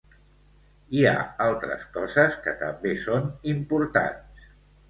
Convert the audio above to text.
Hi ha altres coses que també són importants.